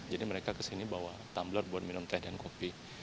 jadi mereka kesini bawa tumbler buat minum teh dan kopi